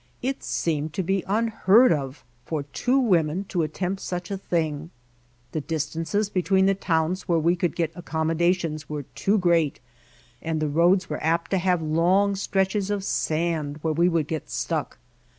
It seemed to be unheard of for two women to attempt such a thing; the distances between the towns where we could get accommodations were too great and the roads were apt to have long stretches of sand where we would get stuck.